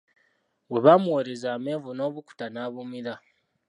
Bwe baamuweereza amenvu N'obukuta n'abumira.